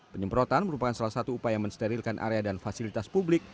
penyemprotan merupakan salah satu upaya mensterilkan area dan fasilitas publik